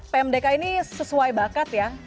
pmdk ini sesuai bakat ya